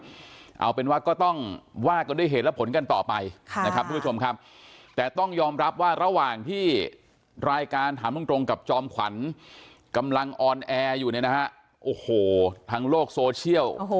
เอาเป็นว่าก็ต้องว่ากันด้วยเหตุและผลกันต่อไปนะครับทุกผู้ชมครับแต่ต้องยอมรับว่าระหว่างที่รายการถามตรงกับจอมขวัญกำลังออนแอร์อยู่เนี่ยนะฮะโอ้โหทางโลกโซเชียล